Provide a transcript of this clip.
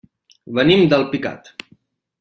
Venim d'Alpicat.